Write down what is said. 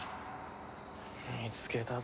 見つけたぞ。